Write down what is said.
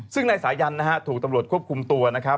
ซึ่งนายสายันนะฮะถูกตำรวจควบคุมตัวนะครับ